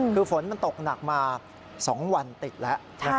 คือฝนมันตกหนักมา๒วันติดแล้ว